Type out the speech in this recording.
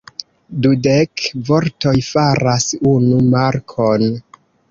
Dudek vortoj faras unu markon.